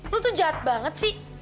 lu tuh jahat banget sih